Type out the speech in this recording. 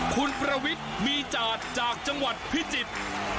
คุณประวิทย์มีจาดจากจังหวัดพิจิตร